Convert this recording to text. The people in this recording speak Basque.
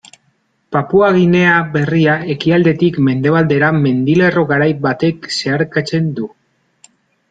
Papua Ginea Berria ekialdetik mendebaldera mendilerro garai batek zeharkatzen du.